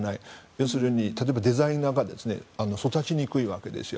要するに、例えばデザイナーが育ちにくいわけですよ。